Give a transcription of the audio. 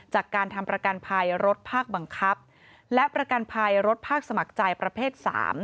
จากการทำประกันภัยรถภาคบังคับและประกันภัยรถภาคสมัครใจประเภท๓